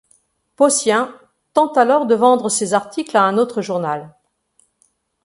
Possien tente alors de vendre ses articles à un autre journal.